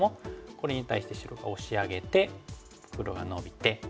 これに対して白がオシ上げて黒がノビて。